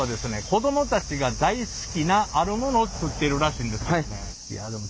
子どもたちが大好きなあるモノを作ってるらしいんですけどね。